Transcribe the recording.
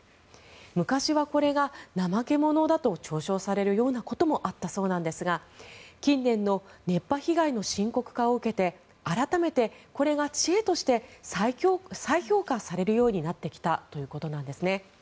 昔はこれが怠け者だと嘲笑されるようなこともあったそうなんですが近年の熱波被害の深刻化を受けて改めてこれが知恵として再評価されるようになってきたということなんですね。